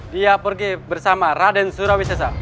dia pergi bersama raden surawisesa